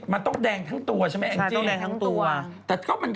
มันต้องแต่งทั้งตัวใช่มั้ย